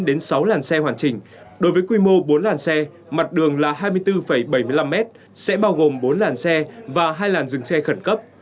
với quy mô bốn sáu lần xe hoàn chỉnh đối với quy mô bốn lần xe mặt đường là hai mươi bốn bảy mươi năm m sẽ bao gồm bốn lần xe và hai lần dừng xe khẩn cấp